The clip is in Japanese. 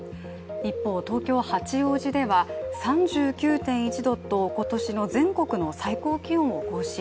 一方、東京・八王子では３９．１度と今年の全国の最高気温を更新。